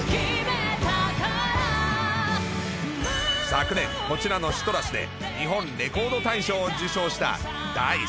昨年、こちらのＣＩＴＲＵＳで日本レコード大賞を受賞したＤａ‐ｉＣＥ。